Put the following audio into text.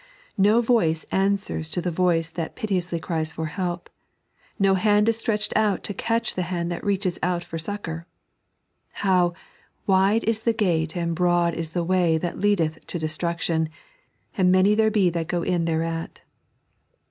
No voice answers to the voice that piteously cries for help ; no hand is stretched out to catch the hand that reaches out for succour. How " wide is the gate and broad is the way that leadeth to destruction, and many there be that go in thereat."